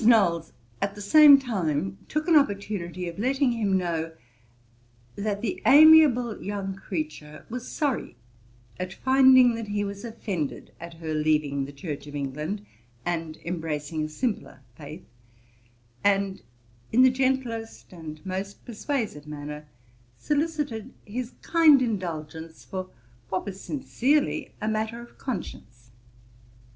Knowles at the same time took an opportunity of letting him know 'that the amiable young creature was sorry at finding that he was offended at her leaving the Church of England and embracing a simpler faith;' and, in the gentlest and most persuasive manner, solicited his kind indulgence for what was sincerely a matter of conscience.